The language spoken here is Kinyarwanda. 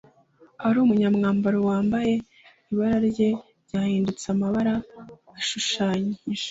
arumunyamwambaro wambaye ibara ryera ryahindutse amabara ashushanyije